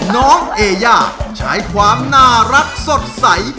น้องเอย่าใช้ความน่ารักสดใส